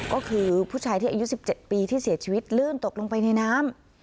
ก็คือผู้ชายที่อายุ๑๗ปีที่เสียชีวิตลื่นตกลงไปในน้ำ